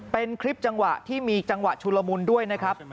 เป็นคลิปจังหวะที่มีจังหวะชุลมุนด้วยนะครับ